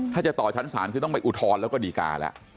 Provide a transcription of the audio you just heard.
ถ้าจะต่อชั้นศาลคือต้องไปอุทธรณ์แล้วก็ดีการแล้ว